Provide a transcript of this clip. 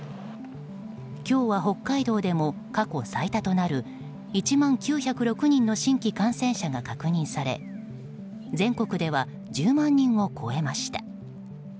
今日は、北海道でも過去最多となる１万９０６人の新規感染者が確認され全国では１０万人を超えました。